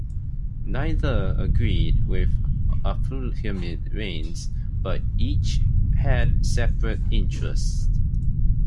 Neither agreed with Abdulhamid's reign, but each had separate interests.